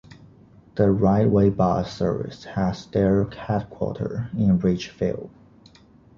The Riteway Bus Service has their headquarters in Richfield.